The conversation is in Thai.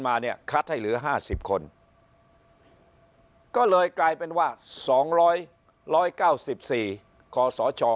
มาเนี่ยคัดให้เหลือ๕๐คนก็เลยกลายเป็นว่า๒๑๙๔คศช